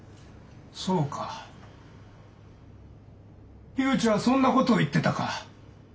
そうか樋口はそんなことを言ってたか。